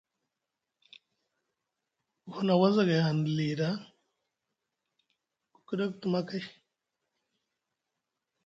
Ku huna wazagay hanɗa li ku kiɗa ku tuma kay.